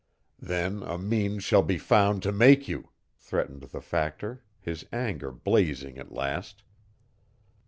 "Then a means shall be found to make you!" threatened the Factor, his anger blazing at last.